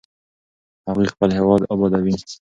هغوی خپل هېواد ابادوي.